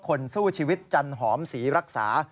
คนสู้ชีวิตจันหอมศรีรักษา